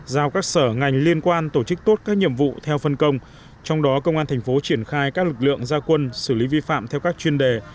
giao các sở ngành liên quan tổ chức tốt các nhiệm vụ theo phân công trong đó công an thành phố triển khai các lực lượng gia quân xử lý vi phạm theo các chuyên đề